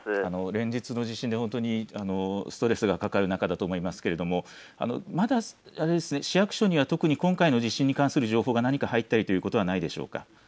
連日の地震でストレスがかかる中だと思いますけれどもまだ市役所には特に今回の地震に関する情報が何か入ったりということはないでしょうか。